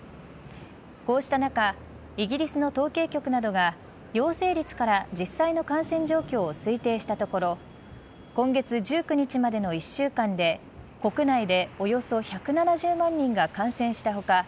こうした中イギリスの統計局などが陽性率から実際の感染状況を推定したところ今月１９日までの１週間で国内でおよそ１７０万人が感染した他